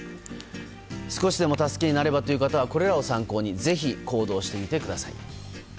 少しでも助けになればという方はこれらを参考にぜひ行動してみてください。